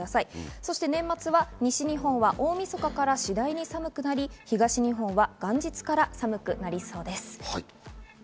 そして年末は西日本は大みそかから次第に寒くなり、東日本は元日から寒くなりそうです。